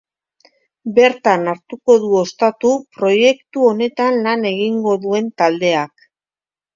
Bertan hartuko du ostatu proiektu honetan lan egingo duen taldeak.